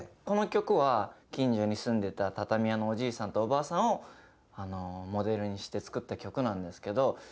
この曲は近所に住んでた畳屋のおじいさんとおばあさんをモデルにして作った曲なんですけど。